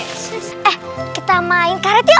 eh kita main karet ya